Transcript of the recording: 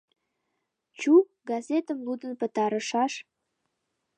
Чу, газетым лудын пытарышаш.